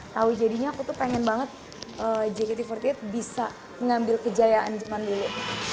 tau jadinya aku tuh pengen banget jkt empat puluh delapan bisa mengambil kejayaan zaman dulu